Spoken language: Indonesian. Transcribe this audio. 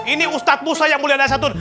ini ustadz musa yang mulia dan syatun